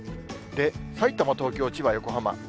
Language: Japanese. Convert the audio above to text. さいたま、東京、千葉、横浜。